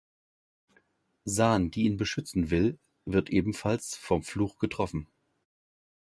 San, die ihn beschützen will, wird ebenfalls vom Fluch getroffen.